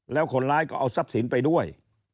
แล้วคนร้ายก็เอาทรัพย์สินไปด้วย